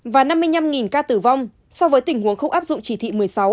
và năm mươi năm ca tử vong so với tình huống không áp dụng chỉ thị một mươi sáu